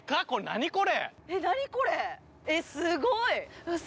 何これすごい！